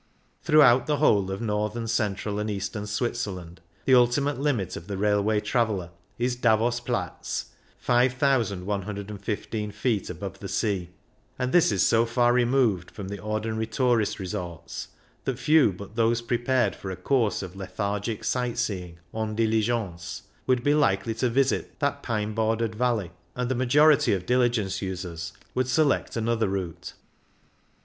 Throughout the whole of northern, central, and eastern Switzerland the ultimate limit of the railway traveller is Davos Platz, 5,115 feet above the sea, and this is so far removed from the ordi nary tourist resorts that few but those prepared for a course of lethargic sight seeing en diligence would be likely to visit that pine bordered valley, and the majority of diligence users would select another route.